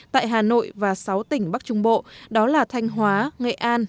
tại hà nội và sáu tỉnh bắc trung bộ đó là thanh hóa nghệ an